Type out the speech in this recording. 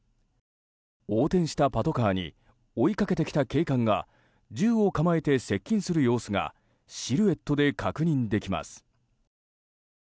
横転したパトカーに追いかけてきた警官が銃を構えて接近する様子がシルエットで確認できます。